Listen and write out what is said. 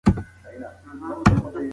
تاسي باید د دې هیلې لپاره کار وکړئ.